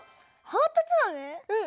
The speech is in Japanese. うん！